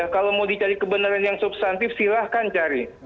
kalau mau dicari kebenaran yang substantif silahkan cari